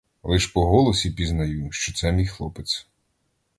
Лиш по голосі пізнаю, що це мій хлопець.